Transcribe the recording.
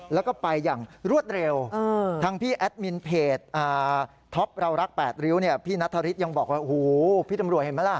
แล้วก็ไปอย่างรวดเร็ว